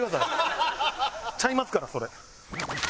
ちゃいますからそれ。